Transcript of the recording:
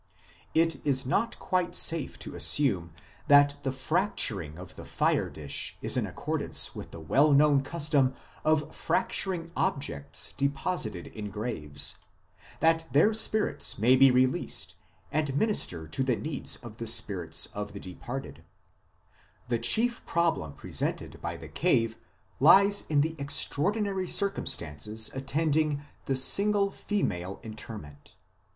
It is not quite safe to assume that the fracturing of the fire dish is in accordance with the well known custom of fracturing objects deposited in graves, i Op. cit., pp. 169 ff. * Op. cit., p. 208. 116 IMMORTALITY AND THE UNSEEN WORLD that their spirits may be released and minister to the needs of the spirits of the departed. 1 ... But the chief problem presented by the cave lies in the extraordinary circum stances attending the single female interment.